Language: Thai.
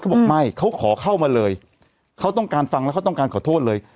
บอกไม่เขาขอเข้ามาเลยเขาต้องการฟังแล้วเขาต้องการขอโทษเลย